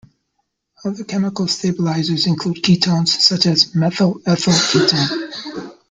Other chemical stabilizers include ketones such as methyl ethyl ketone.